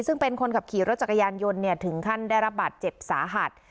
ซึ่งเป็นคนขับขี่รถจักรยานยนต์ถึงขั้นได้รับบาดเจ็บสาหัส